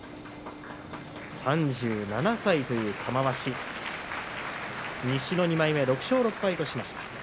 ３７歳という玉鷲西の２枚目、６勝６敗としました。